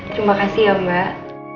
terima kasih ya mbak